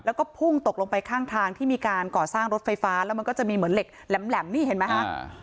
แล้วก็พุ่งตกลงไปข้างทางที่มีการก่อสร้างรถไฟฟ้าแล้วมันก็จะมีเหมือนเหล็กแหลมนี่เห็นไหมฮะ